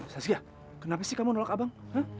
sasia kenapa sih kamu nolak abang